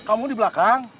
kamu di belakang